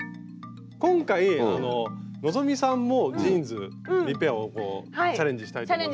今回希さんもジーンズリペアをこうチャレンジしたいと思うんですけど。